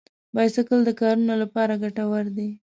بایسکل د کارونو لپاره ګټور دی.